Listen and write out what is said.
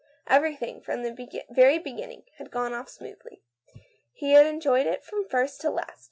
Everything, from the very beginning, had gone off smoothly. He had enjoyed it from first to last.